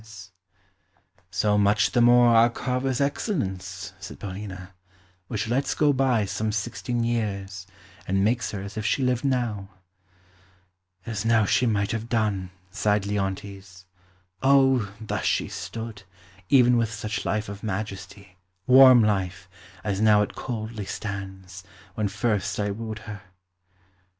when first I wooed her!"] "So much the more our carver's excellence," said Paulina, "which lets go by some sixteen years, and makes her as if she lived now." "As now she might have done," sighed Leontes. "O, thus she stood, even with such life of majesty, warm life, as now it coldly stands, when first I wooed her!"